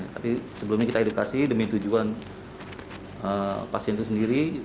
tapi sebelumnya kita edukasi demi tujuan pasien itu sendiri